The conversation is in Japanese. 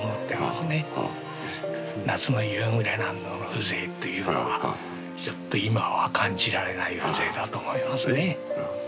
夏の夕暮れなんぞの風情というのはちょっと今は感じられない風情だと思いますね。